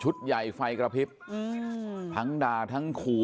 ใหญ่ไฟกระพริบทั้งด่าทั้งขู่